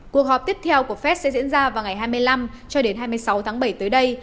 cuộc họp tiếp theo của fed sẽ diễn ra vào ngày hai mươi năm cho đến hai mươi sáu tháng bảy tới đây